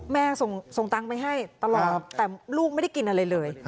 แม่ส่งตังค์ไปให้ตลอดแต่ลูกไม่ได้กินอะไรเลย